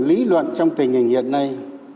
lý luận trong tình hình hiện nay